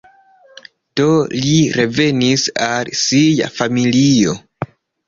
Do li revenis al sia familio.